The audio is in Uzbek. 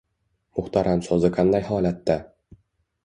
Muhtaram so‘zi qanday holatda?